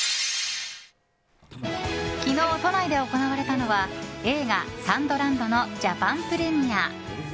昨日、都内で行われたのは映画「ＳＡＮＤＬＡＮＤ」のジャパンプレミア。